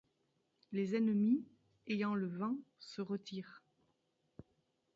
Les ennemis, ayant le vent, se retirent.